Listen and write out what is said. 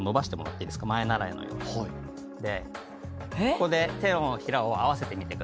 ここで手のひらを合わせてみてください。